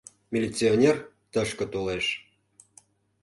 Милиционер тышке толеш.